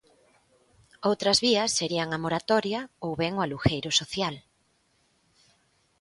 Outras vías serían a moratoria ou ben o alugueiro social.